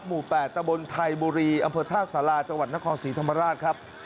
หมู่๘ตะบนไทยบุรีอำเภอท่าสาราจังหวัดนครศรีธรรมราชครับ